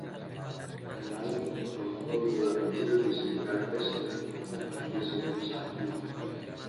Pemain memukul bola kecil di sekitar es dengan tongkat yang disebut sapu.